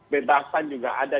bebasan juga ada